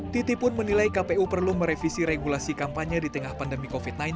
titi pun menilai kpu perlu merevisi regulasi kampanye di tengah pandemi covid sembilan belas